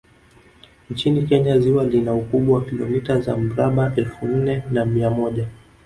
Nchini Kenya ziwa lina ukubwa wa kilomita za mraba elfu nne na mia moja